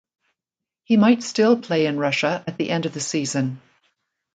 He might still play in Russia at the end of the season.